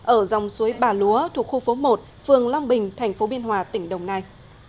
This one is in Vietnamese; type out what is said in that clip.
ở dòng suối bà lúa thuộc khu phố một phường long bình thành phố biên hòa tỉnh đồng nai